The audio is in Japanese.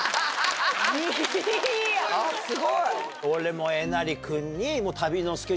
俺もえなり君に。